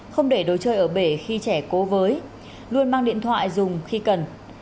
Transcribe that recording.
không để đồ chơi ở bể khi trẻ cố với luôn mang điện thoại dùng khi cần